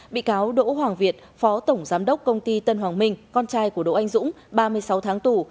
bị cáo đỗ hoàng việt phó tổng giám đốc công ty tân hoàng minh con trai của đỗ anh dũng ba mươi sáu tháng tù